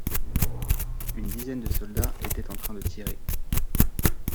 Une dizaine de soldats était en train de tirer.